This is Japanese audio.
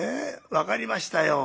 分かりましたよ。